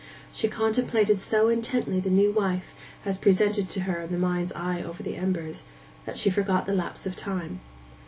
She contemplated so intently the new wife, as presented to her in her mind's eye over the embers, that she forgot the lapse of time.